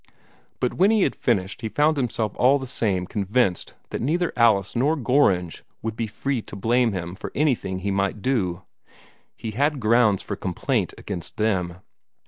But when he had finished, he found himself all the same convinced that neither Alice nor Gorringe would be free to blame him for anything he might do. He had grounds for complaint against them.